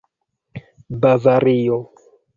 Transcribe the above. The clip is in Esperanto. bavario